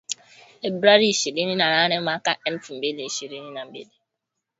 Februari ishirni na nane mwaka elfu mbili ishirini na mbili